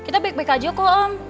kita baik baik aja kok om